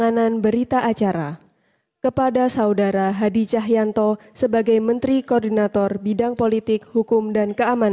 akan menjunjung tinggi etika jabatan